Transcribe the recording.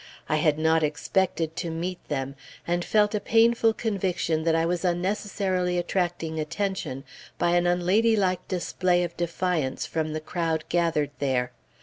I had not expected to meet them, and felt a painful conviction that I was unnecessarily attracting attention, by an unladylike display of defiance, from the crowd gathered there.